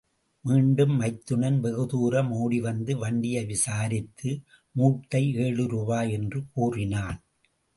மீண்டும் மைத்துனன் வெகுதூரம் ஓடிவந்து வண்டியை விசாரித்து, மூட்டை ஏழு ரூபாய் என்று கூறினான்.